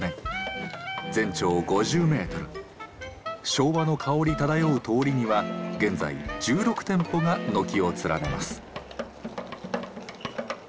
昭和の香り漂う通りには現在１６店舗が軒を連ねます。